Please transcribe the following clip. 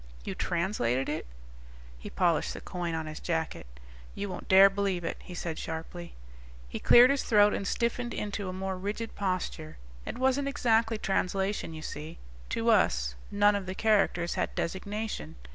"You translated it?" He polished the coin on his jacket. "You won't dare believe it," he said sharply. He cleared his throat and stiffened into a more rigid posture. "It wasn't exactly translation. You see, to us none of the characters had designation.